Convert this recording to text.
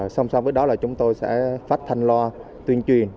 xong xong với đó là chúng tôi sẽ phát thanh loa tuyên truyền